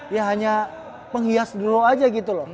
ya hanya penghias dulu aja gitu loh